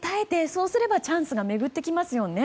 そうすればチャンスが巡ってきますよね。